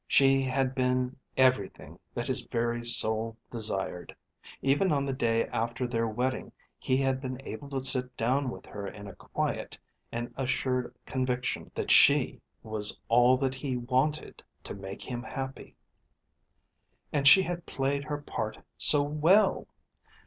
She had been everything that his very soul desired. Even on the day after their wedding he had been able to sit down with her in a quiet and assured conviction that she was all that he wanted to make him happy. And she had played her part so well!